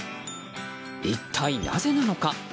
一体なぜなのか。